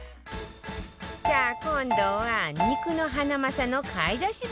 さあ今度は肉のハナマサの買い出し